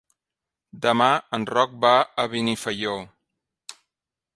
Demà en Roc va a Benifaió.